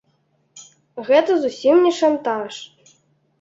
Гэта зусім не шантаж.